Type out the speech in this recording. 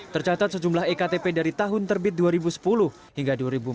tercatat sejumlah ektp dari tahun terbit dua ribu sepuluh hingga dua ribu empat belas